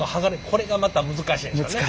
これがまた難しいんですよね。